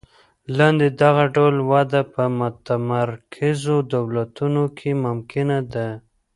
لاندې دغه ډول وده په متمرکزو دولتونو کې ممکنه ده.